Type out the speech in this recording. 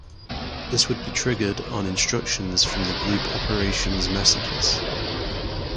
This would be triggered on instructions from the Group Operations messages.